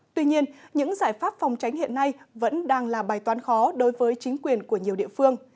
tuy nhiên những giải pháp phòng tránh hiện nay vẫn đang là bài toán khó đối với chính quyền của nhiều địa phương